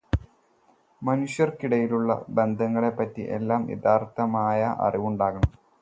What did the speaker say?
മനുഷ്യർകിടയിലുള്ള ബന്ധങ്ങളെപ്പറ്റി എല്ലാം യാഥാർഥമായ അറിവുണ്ടാകണം.